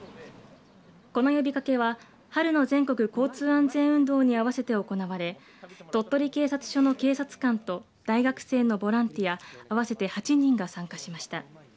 この呼びかけは春の全国交通安全運動に合わせて行われ鳥取警察署の警察官と大学生のボランティア合わせて８人が参加しました。